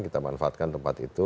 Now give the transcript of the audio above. kita manfaatkan tempat itu